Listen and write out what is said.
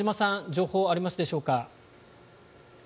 情報ありますでしょうか。